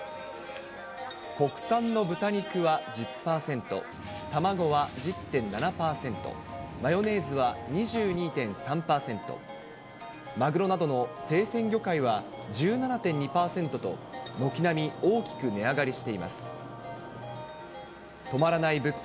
国産の豚肉は１０％、卵は１０．７％、マヨネーズは２２．３％、マグロなどの生鮮魚介は１７．２％と、軒並み大きく値上がりしています。